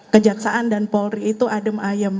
kejaksaan dan polri itu adem ayem